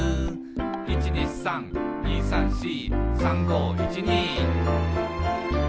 「１２３２３４」「３５１２」